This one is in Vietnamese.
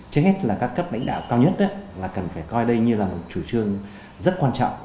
trước hết là các cấp lãnh đạo cao nhất là cần phải coi đây như là một chủ trương rất quan trọng